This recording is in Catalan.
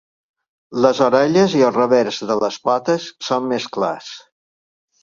Les orelles i el revers de les potes són més clars.